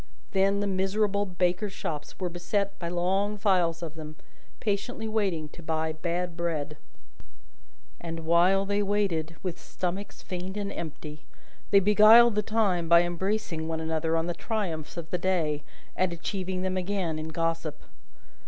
Then, the miserable bakers' shops were beset by long files of them, patiently waiting to buy bad bread; and while they waited with stomachs faint and empty, they beguiled the time by embracing one another on the triumphs of the day, and achieving them again in gossip.